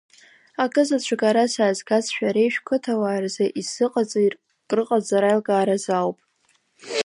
Акы заҵәык ара саазгаз шәареи шәқыҭауааи рзы исзыҟаҵо крыҟазар аилкааразы ауп.